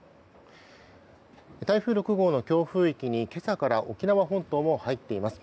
台風６号の強風域に今朝から沖縄本島も入っています。